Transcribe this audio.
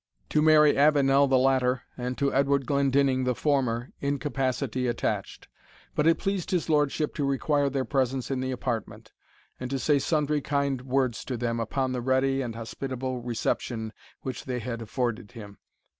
To Mary Avenel the latter, and to Edward Glendinning the former, incapacity attached; but it pleased his lordship to require their presence in the apartment, and to say sundry kind words to them upon the ready and hospitable reception which they had afforded him.